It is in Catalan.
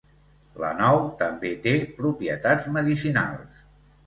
La nou també té propietats medicinals.